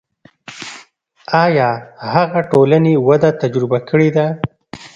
آیا هغه ټولنې وده تجربه کړې ده.